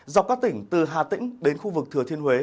dọc các tỉnh từ hà tĩnh đến khu vực thừa thiên huế